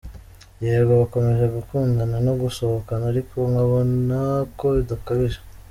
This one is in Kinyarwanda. Yego bakomeje gukundana no gusohokana ariko nkabona ko bidakabije.